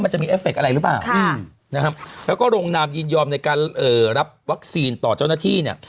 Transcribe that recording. จะมีเอฟเคอะไรหรือเปล่านะครับแล้วก็ลงนามยินยอมในการรับวัคซีนต่อเจ้าหน้าที่เนี่ย